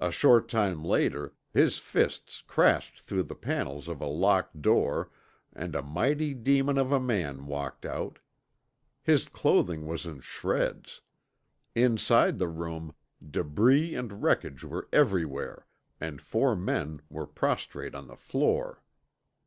A short time later his fists crashed through the panels of a locked door and a mighty demon of a man walked out. His clothing was in shreds. Inside the room, debris and wreckage were everywhere, and four men were prostrate on the floor.